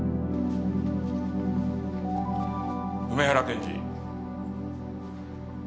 梅原検事。